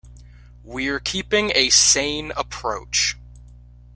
We're keeping a sane approach.